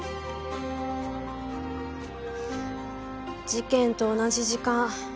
事件と同じ時間。